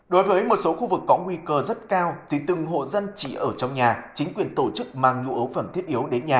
đối với một số khu vực có nguy cơ rất cao thì từng hộ dân chỉ ở trong nhà chính quyền tổ chức mang nhu ấu